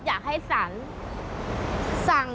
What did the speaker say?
อยากให้ศาลสั่ง